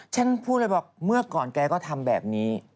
ฉันพูดเลยบอกเมื่อก่อนแกก็ทำแบบนี้